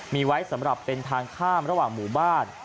มีไว้สำหรับเป็นทางข้ามระหว่างหมู่บ้าน